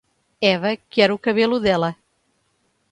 Eva quer o cabelo dela.